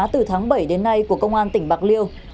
từ tháng bảy đến nay của công an tỉnh bạc liêu